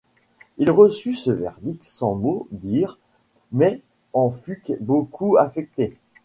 Il reçut ce verdict sans mot dire mais en fut beaucoup affecté.